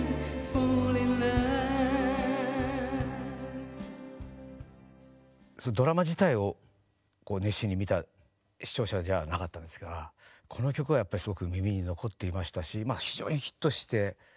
そのドラマ自体を熱心に見た視聴者じゃあなかったんですがこの曲はやっぱりすごく耳に残っていましたしまあ非常にヒットして。